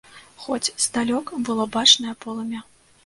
Хоць здалёк было бачнае полымя.